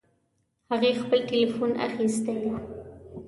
هغې خپل ټیلیفون اخیستی ده